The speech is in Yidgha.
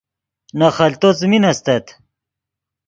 نے خلتو څیمین استت